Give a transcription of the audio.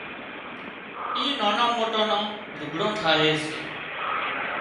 آي نانان موٽان نان لُگھڙان ٺاهي سي